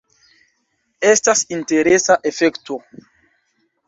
Estas interesa efekto.